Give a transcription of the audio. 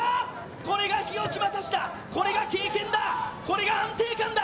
これが日置将士だ、これが経験だ、これが安定感だ！